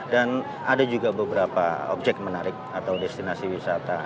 dan ada juga beberapa objek menarik atau destinasi wisata